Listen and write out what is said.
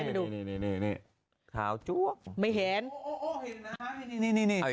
มาแล้ว